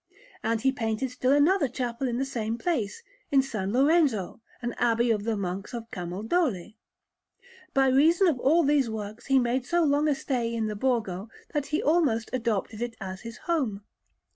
And he painted still another chapel in the same place, in S. Lorenzo, an abbey of the Monks of Camaldoli. By reason of all these works he made so long a stay in the Borgo that he almost adopted it as his home.